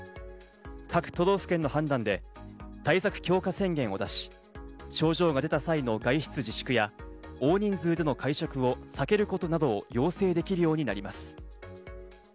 各都道府県の判断で対策強化宣言を出し、症状が出た際の外出自粛や大人数での会食を避けることなどを要請できるようになります。